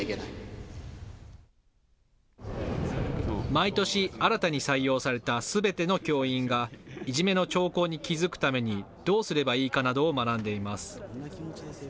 毎年、新たに採用されたすべての教員がいじめの兆候に気付くためにどうすればいいかなどを学んでいます。